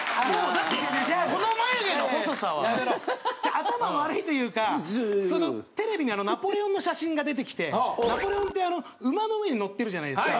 頭悪いというかテレビにナポレオンの写真が出てきてナポレオンって馬の上に乗ってるじゃないですか。